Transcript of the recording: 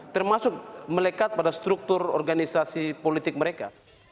termasuk melekat pada struktur organisasi politik mereka